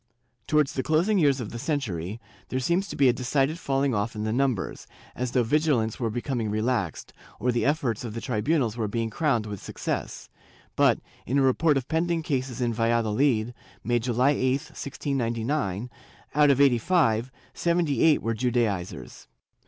Towards the closing years of the century, there seems to be a decided falling off in the numbers, as though vigi lance were becoming relaxed, or the efforts of the tribunals were being crowned with success; but, in a report of pending cases in Valladolid, made July 8, 1699, out of eighty five, seventy eight were Judaizers.